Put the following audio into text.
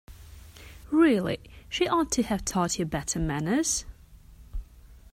Really, she ought to have taught you better manners!